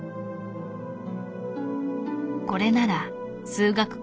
これなら数学か